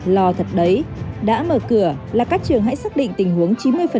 lò thật đấy đã mở cửa là các trường hãy xác định tình huống chín mươi